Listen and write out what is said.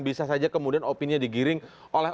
bisa saja kemudian opini digiring oleh